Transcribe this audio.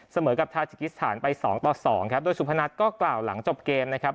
เสมอกับทาจิกิสถานไปสองต่อสองครับโดยสุพนัทก็กล่าวหลังจบเกมนะครับ